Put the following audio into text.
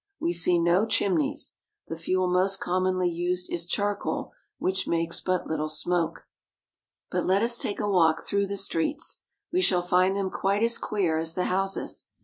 We see no chimneys. The fuel most commonly used is charcoal, which makes but little smoke. But let us take a walk through the streets. We shall find them quite as queer as the houses.